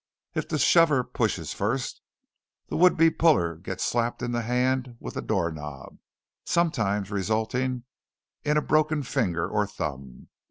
If the shover pushes first, the would be puller gets slapped in the hand with the doorknob, sometimes resulting in a broken finger or thumb.